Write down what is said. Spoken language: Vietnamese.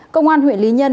công an huyện lý nhân